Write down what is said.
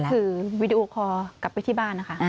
ถือวีดีโอคอลกลับไปที่บ้านนะคะ